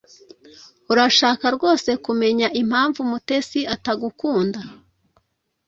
Urashaka rwose kumenya impamvu Mutesi atagukunda